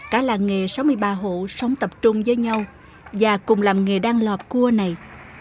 cả làng nghề sáu mươi ba hộ sống tập trung với nhau và cùng làm nghề đan lò cua này